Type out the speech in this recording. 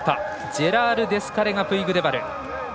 ジェラール・デスカレガプイグデバル。